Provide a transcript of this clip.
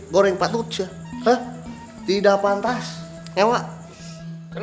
sardung kamu masuk rumah itu salam helo